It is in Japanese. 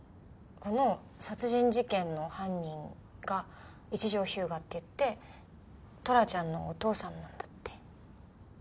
この殺人事件の犯人が一条彪牙っていってトラちゃんのお父さんなんだって。